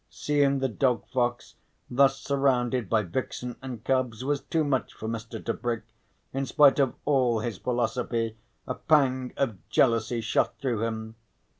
Seeing the dog fox thus surrounded by vixen and cubs was too much for Mr. Tebrick; in spite of all his philosophy a pang of jealousy shot through him.